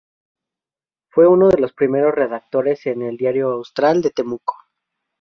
Fue uno de los primeros redactores en "El Diario Austral" de Temuco.